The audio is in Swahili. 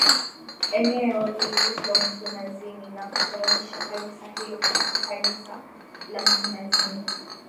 Eneo liliitwa Mkunazini na kusabibisha kanisa hilo kuitwa kanisa la mkunazini